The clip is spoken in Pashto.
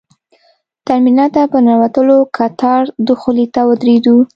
ترمینل ته په ننوتلو کتار دخولي ته ودرېدو.